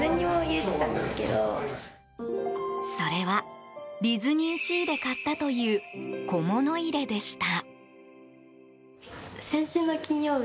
それはディズニーシーで買ったという小物入れでした。